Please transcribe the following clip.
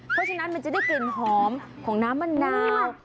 เพราะฉะนั้นมันจะได้กลิ่นหอมของน้ำมะนาว